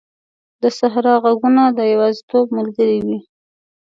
د صحرا ږغونه د یوازیتوب ملګري وي.